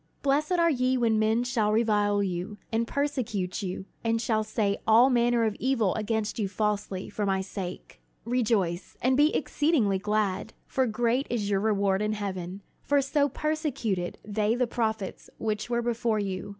"Blessed are ye when men shall revile you, and persecute you, and shall say all manner of evil against you falsely, for my sake. "Rejoice, and be exceedingly glad: for great is your reward in heaven: for so persecuted they the prophets which were before you.